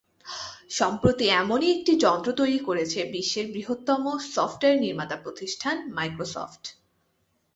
সম্প্রতি এমনই একটি যন্ত্র তৈরি করেছে বিশ্বের বৃহত্তম সফটওয়্যার নির্মাতা প্রতিষ্ঠান মাইক্রোসফট।